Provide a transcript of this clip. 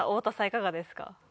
いかがですか？